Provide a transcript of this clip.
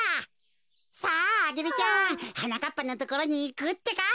さあアゲルちゃんはなかっぱのところにいくってか。